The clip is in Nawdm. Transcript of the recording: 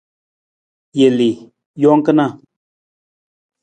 Jelii, jang kana.